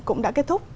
cũng đã kết thúc